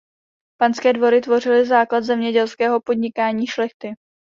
Panské dvory tvořily základ zemědělského podnikání šlechty.